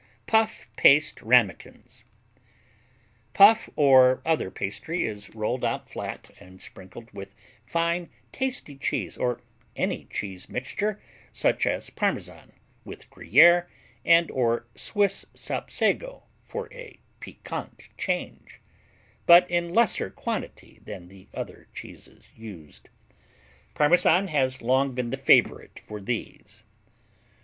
Puff Paste Ramekins Puff or other pastry is rolled out fiat and sprinkled with fine tasty cheese or any cheese mixture, such as Parmesan with Gruyère and/or Swiss Sapsago for a piquant change, but in lesser quantity than the other cheeses used. Parmesan cheese has long been the favorite for these.